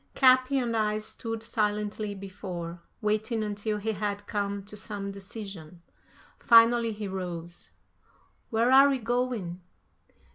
Capi and I stood silently before, waiting until he had come to some decision. Finally he rose. "Where are we going?"